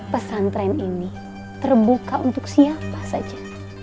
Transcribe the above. pesantren ini terbuka untuk siapa saja